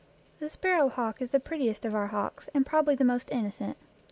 The sparrow hawk is the prettiest of our hawks, and probably the most innocent.